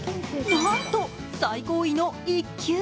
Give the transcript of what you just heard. なんと最高位の１級。